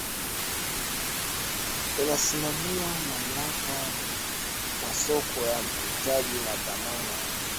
inasimamia mamlaka ya masoko ya mitaji na dhamana